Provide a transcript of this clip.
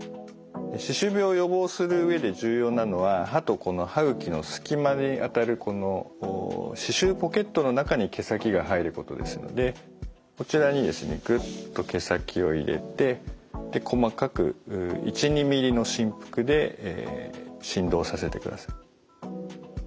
歯周病を予防する上で重要なのは歯とこの歯ぐきのすき間にあたるこの歯周ポケットの中に毛先が入ることですのでこちらにですねグッと毛先を入れて細かく１２ｍｍの振幅で振動させてください。